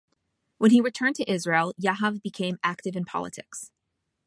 When he returned to Israel, Yahav became active in politics.